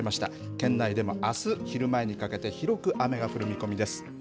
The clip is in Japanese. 県内でもあす昼前にかけて広く雨が降る見込みです。